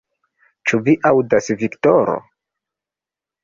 Ĉu vi aŭdas, Viktoro?